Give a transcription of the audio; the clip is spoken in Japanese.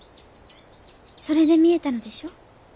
それでみえたのでしょ？